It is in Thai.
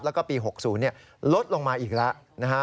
แล้วก็ปี๖๐ลดลงมาอีกแล้วนะฮะ